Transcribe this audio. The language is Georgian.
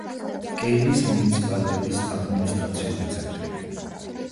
კეილის მუნიციპალიტეტის ადმინისტრაციული ცენტრი.